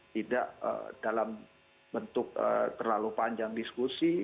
tidak dalam bentuk terlalu panjang diskusi